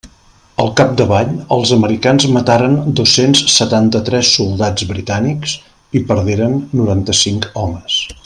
Al capdavall els americans mataren dos-cents setanta-tres soldats britànics i perderen noranta-cinc homes.